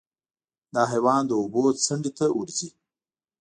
دا حیوان د اوبو څنډې ته ورځي.